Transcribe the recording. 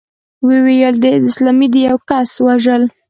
ويې ويل چې د حزب اسلامي د يوه کس وژل.